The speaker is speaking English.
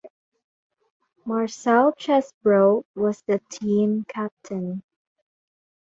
Marcel Chesbro was the team captain.